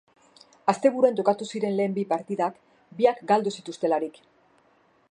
Asteburuan jokatu ziren lehen bi partidak, biak galdu zituztelarik.